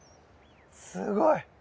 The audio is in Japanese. すごい！